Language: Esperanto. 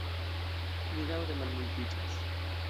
Ni daŭre malmultiĝas.